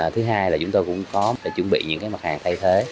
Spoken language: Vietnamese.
thứ hai là chúng tôi cũng có chuẩn bị những mặt hàng thay thế